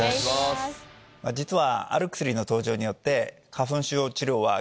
実は。